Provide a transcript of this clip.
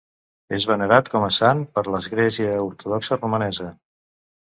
És venerat com a sant per l'Església Ortodoxa Romanesa.